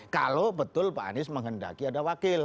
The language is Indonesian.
kalau betul pak anies menghendaki ada wakil